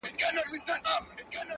غوجله سمبول د وحشت ښکاري ډېر